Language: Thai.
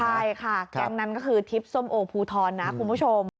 ใช่ค่ะแก๊งนั้นก็คือทิพย์ส้มโอภูทรนะคุณผู้ชม